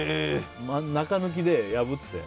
中抜きで破って。